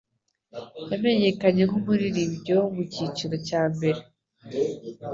Yamenyekanye nkumuririmbyi wo mucyiciro cya mbere.